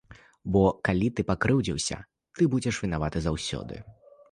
Бо калі ты пакрыўдзіўся, ты будзеш вінаваты заўсёды.